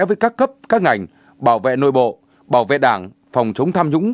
với các cấp các ngành bảo vệ nội bộ bảo vệ đảng phòng chống tham nhũng